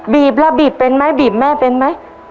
บีบแล้วบีบเป็นไหมบีบแม่เป็นไหม